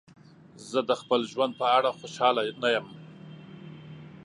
زه د خپل ژوند په اړه خوشحاله نه یم.